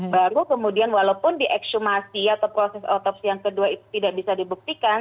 baru kemudian walaupun dieksumasi atau proses otopsi yang kedua itu tidak bisa dibuktikan